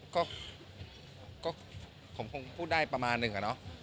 ก็คมกลุ่มพูดได้ประมาณนึง